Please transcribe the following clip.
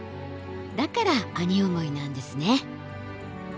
だから兄思いなんですね。